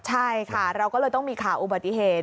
ใช่ค่ะเราก็เลยต้องมีข่าวอุบัติเหตุ